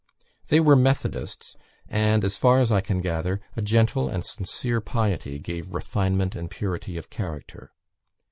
They were Methodists, and, as far as I can gather, a gentle and sincere piety gave refinement and purity of character.